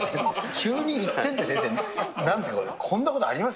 急に１点って、先生、なんですか、これ、こんなことあります？